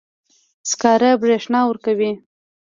سکاره برېښنا ورکوي.